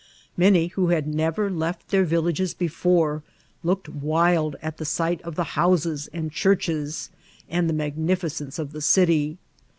Many, who had never left their villages before, kx^^ed wild at the right of the houses and churches, and the magnificence of the city.